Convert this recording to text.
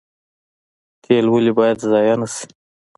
تیل ولې باید ضایع نشي؟